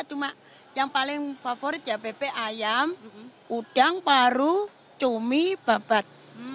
cuma yang paling favorit ya bebek ayam udang paru cumi babat